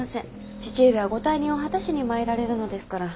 父上はご大任を果たしに参られるのですから。